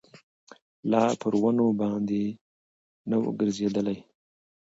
لا پر ونو باندي نه ووګرځېدلی